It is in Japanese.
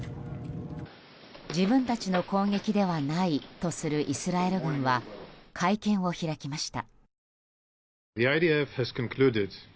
自分たちの攻撃ではないとするイスラエル軍は会見を開きました。